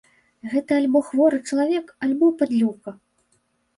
Гэта альбо хворы чалавек, альбо падлюга.